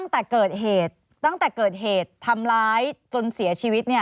แล้วตั้งแต่เกิดเหตุทำร้ายจนเสียชีวิตเนี่ย